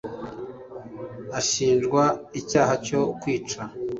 Ashinjwa icyaha cyo kwica.